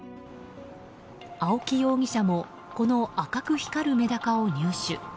青木容疑者もこの赤く光るメダカを入手。